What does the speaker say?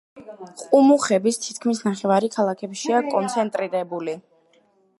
ყუმუხების თითქმის ნახევარი ქალაქებშია კონცენტრირებული.